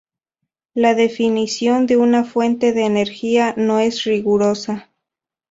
La definición de una fuente de energía no es rigurosa.